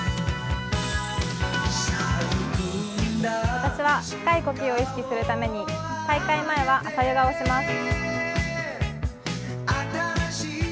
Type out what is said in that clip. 私は深い呼吸を意識するために大会前は朝ヨガをします。